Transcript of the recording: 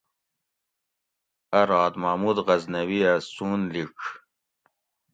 اَ رات محمود غزنوی ھہ سون لیڄ